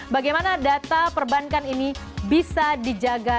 bagaimana data perbankan ini bisa dijaga